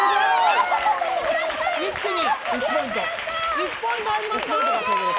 １ポイント入りました。